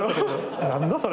何だそれ。